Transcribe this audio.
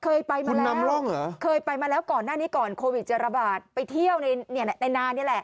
เคยไปมาคุณนำร่องเหรอเคยไปมาแล้วก่อนหน้านี้ก่อนโควิดจะระบาดไปเที่ยวในนานนี่แหละ